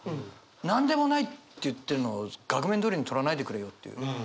なんでもないって言ってんのを額面どおりにとらないでくれよっていうね。